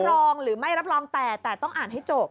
รองหรือไม่รับรองแต่แต่ต้องอ่านให้จบ